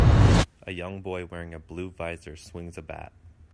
A young boy wearing a blue visor swings a bat.